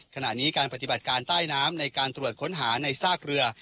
ขณะนี้การปฏิบัติการใต้น้ำในการตรวจค้นหาในซากเรือ